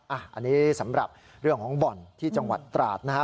อันนี้สำหรับเรื่องของบ่อนที่จังหวัดตราดนะฮะ